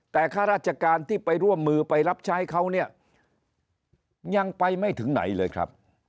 แต่ข้าราชการที่ไปร่วมมือไปรับใช้เขาเนี่ยยังไปไม่ถึงไหนเลยครับ